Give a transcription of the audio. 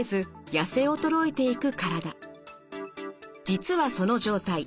実はその状態